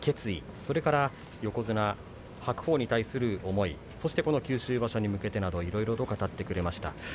それから横綱白鵬に対する思いそしてこの九州場所に向けてなどいろいろと語ってくれました。